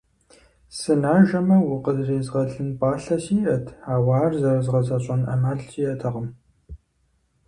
Сынажэмэ, укъызэрезгъэлын пӀалъэ сиӀэт, ауэ ар зэрызгъэзэщӏэн Ӏэмал сиӀэтэкъым.